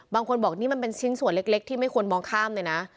บางคนบอกนี่มันเป็นชิ้นส่วนเล็กที่ไม่ควรมองข้ามเลยนะ